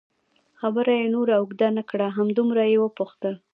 خبره یې نوره اوږده نه کړه، همدومره یې وپوښتل.